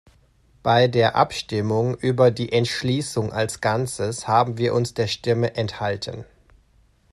Bei der Abstimmung über die Entschließung als Ganzes haben wir uns der Stimme enthalten.